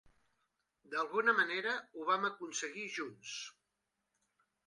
D'alguna manera ho vam aconseguir junts.